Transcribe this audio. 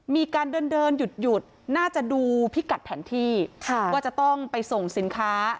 มีการเดินเดินหยุดน่าจะดูพิกัดแผนที่ว่าจะต้องไปส่งสินค้า